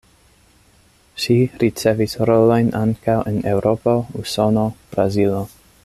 Ŝi ricevis rolojn ankaŭ en Eŭropo, Usono, Brazilo.